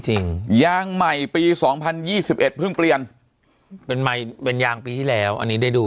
จริงยางใหม่ปี๒๐๒๑เพิ่งเปลี่ยนเป็นใหม่เป็นยางปีที่แล้วอันนี้ได้ดู